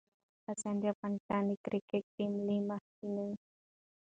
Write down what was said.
حمید حسن د افغانستان د کريکټ ټیم له مخکښو ستورو څخه ده